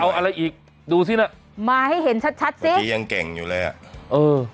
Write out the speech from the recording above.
เอาอะไรอีกดูสิน่ะมาให้เห็นชัดชัดสินี่ยังเก่งอยู่เลยอ่ะเออ